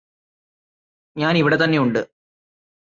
ഞാന് ഇവിടെത്തന്നെയുണ്ട്